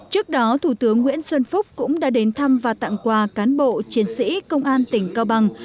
trước đó thủ tướng nguyễn xuân phúc cũng đã đến thăm và tặng quà cán bộ chiến sĩ công an tỉnh cao bằng